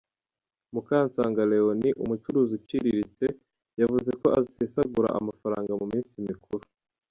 Mukansanga Leonie, umucuruzi uciriritse, yavuze ko asesagura amafaranga mu minsi mikuru.